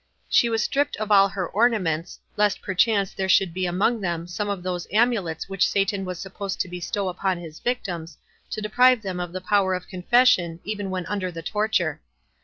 She was stript of all her ornaments, lest perchance there should be among them some of those amulets which Satan was supposed to bestow upon his victims, to deprive them of the power of confession even when under the torture.